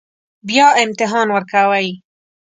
بیا امتحان ورکوئ